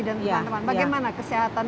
dan teman teman bagaimana kesehatan